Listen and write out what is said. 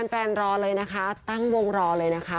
รอเลยนะคะตั้งวงรอเลยนะคะ